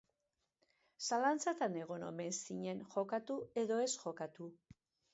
Zalantzatan egon omen zinen jokatu edo ez jokatu.